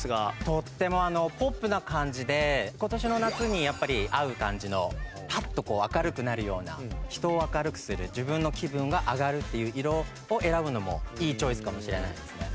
とってもポップな感じで今年の夏に合う感じのパッとこう明るくなるような人を明るくする自分の気分が上がるっていう色を選ぶのもいいチョイスかもしれないですね。